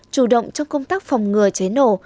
chủ động trong công tác phòng ngừa cháy nổ